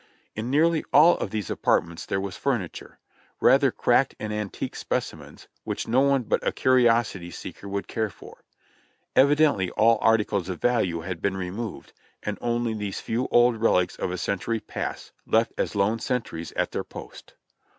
In nearly all of these apart ments there was furniture, rather cracked and antique specimens, which no one but a curiosity seeker would care for. Evidently all articles of value had been removed and only these few old relics of a century past left as lone sentries at their post.